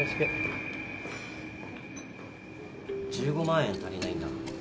１５万円足りないんだ。